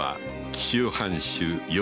紀州藩主・頼